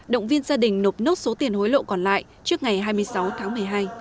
động viên gia đình nộp nốt số tiền hối lộ còn lại trước ngày hai mươi sáu tháng một mươi hai